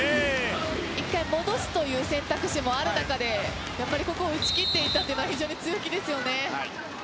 １回戻すという選択肢もある中でここを打ち切っていたというのは非常に強気ですね。